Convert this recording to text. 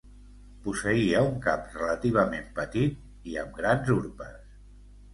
Posseïa un cap relativament petit i amb grans urpes.